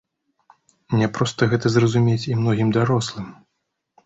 Няпроста гэта зразумець і многім дарослым.